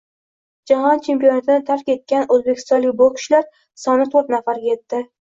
Jahon chempionatini tark etgan o‘zbekistonlik bokschilar sonito´rtnafarga yetdi